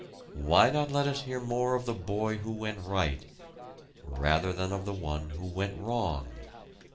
Why not let us hear more of the boy who went right, rather than of the one who went wrong?